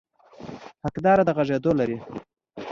حقداره د غږېدو لري.